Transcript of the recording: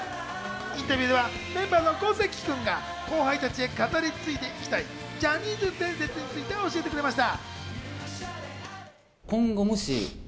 インタビューではメンバーの五関君が後輩たちへ語り継いでいきたいジャニーズ伝説について教えてくれました。